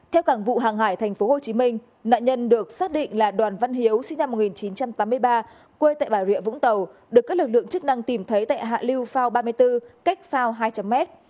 theo cảng vụ hàng hải tp hcm nạn nhân được xác định là đoàn văn hiếu sinh năm một nghìn chín trăm tám mươi ba quê tại bà rịa vũng tàu được các lực lượng chức năng tìm thấy tại hạ lưu phao ba mươi bốn cách phao hai trăm linh m